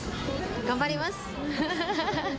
頑張ります。